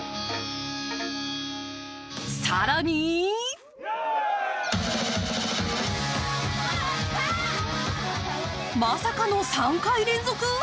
更にまさかの３回連続？